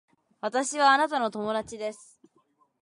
私はあなたの友達です